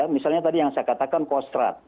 misalnya tadi yang saya katakan kostrat